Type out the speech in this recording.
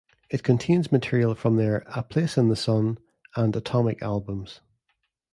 It contains material from their "A Place in the Sun" and "Atomic" albums.